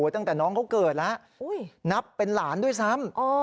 ตั้งแต่น้องเขาเกิดแล้วนับเป็นหลานด้วยซ้ำ